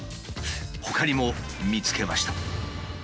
ほかにも見つけました。